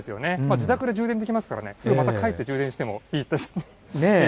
自宅で充電できますからね、また帰って充電してもいいですし。